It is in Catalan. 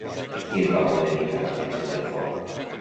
Qui es va voler dedicar a encendre el foc?